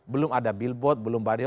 belum ada bilbot belum badeo